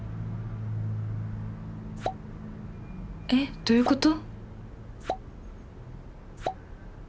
えっどういうこと？